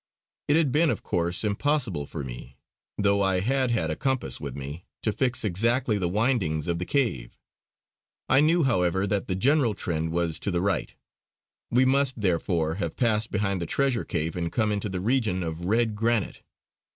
It had been of course impossible for me, though I had had a compass with me, to fix exactly the windings of the cave. I knew, however, that the general trend was to the right; we must, therefore, have passed behind the treasure cave and come into the region of red granite.